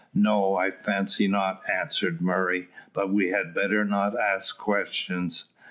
"No, I fancy not," answered Murray, "but we had better not ask questions."